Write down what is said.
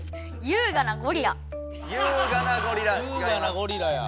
「優雅なゴリラ」や。